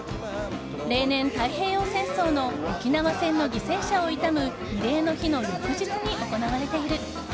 例年、太平洋戦争の沖縄戦の犠牲者を悼む慰霊の日の翌日に行われている。